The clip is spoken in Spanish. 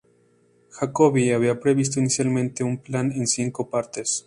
Jacoby había previsto inicialmente un plan en cinco partes.